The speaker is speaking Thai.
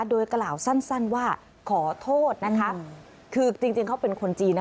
โดยกล่าวสั้นว่าขอโทษนะคะคือจริงเขาเป็นคนจีนนะ